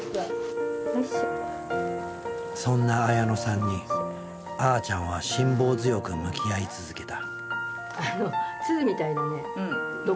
そんな綾乃さんにあーちゃんは辛抱強く向き合い続けた。